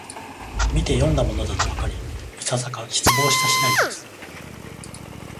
みてよんだものだとわかり、いささか失望した次第です